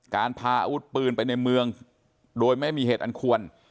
พาอาวุธปืนไปในเมืองโดยไม่มีเหตุอันควร